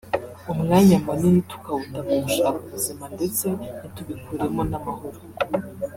umwanya munini tukawuta mu gushaka ubuzima ndetse ntitubikuremo n'amahoro